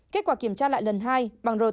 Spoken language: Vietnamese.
kết quả kiểm tra lại lần hai bằng rt